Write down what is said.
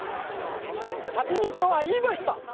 旅人は言いました。